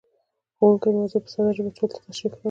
ښوونکی موضوع په ساده ژبه ټولو ته تشريح کړه.